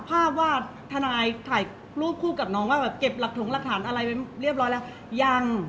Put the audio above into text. เพราะว่าสิ่งเหล่านี้มันเป็นสิ่งที่ไม่มีพยาน